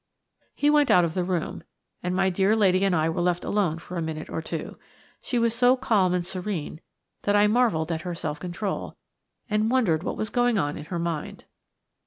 He went out of the room, and my dear lady and I were left alone for a minute or two. She was so calm and serene that I marvelled at her self control, and wondered what was going on in her mind.